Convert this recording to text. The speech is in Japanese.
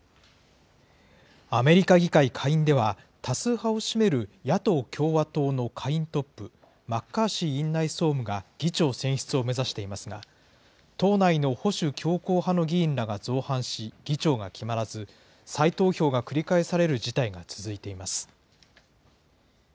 アメリカ議会下院では、多数派を占める野党・共和党の下院トップ、マッカーシー院内総務が議長選出を目指していますが、党内の保守強硬派の議員らが造反し、議長が決まらず、再投票が繰り返される事態が続いています。